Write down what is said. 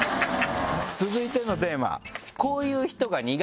続いてのテーマ。